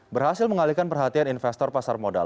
berhasil mengalihkan perhatian investor pasar modal